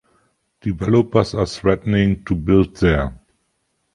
Developers are threatening to build there.